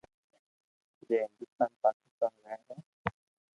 جي هندستان، پاڪستان رھي ھي